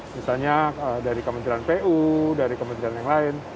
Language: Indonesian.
misalnya dari kementerian pu dari kementerian yang lain